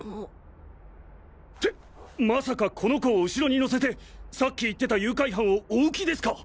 ってまさかこの子を後ろに乗せてさっき言ってた誘拐犯を追う気ですか？